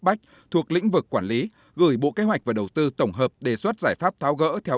bách thuộc lĩnh vực quản lý gửi bộ kế hoạch và đầu tư tổng hợp đề xuất giải pháp tháo gỡ theo